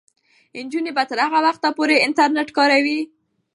نجونې به تر هغه وخته پورې انټرنیټ کاروي.